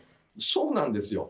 そうなんですよ。